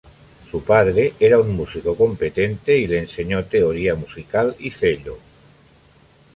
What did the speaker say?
Su padre era un músico competente y le enseñó teoría musical y cello.